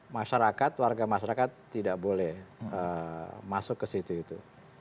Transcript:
masyarakat warga masyarakat tidak boleh masuk ke situ itu